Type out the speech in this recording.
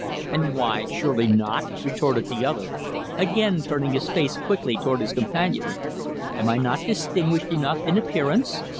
"And why, 'surely not'?" retorted the other, again turning his face quickly toward his companion. "Am I not distinguished enough in appearance?